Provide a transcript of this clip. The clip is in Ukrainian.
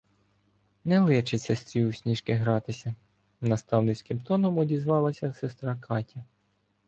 — Не личить сестрі у сніжки гратися, — наставницьким тоном одізвала- ся сестра Катя.